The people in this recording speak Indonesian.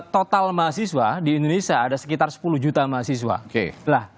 total mahasiswa di indonesia ada sekitar sepuluh juta mahasiswa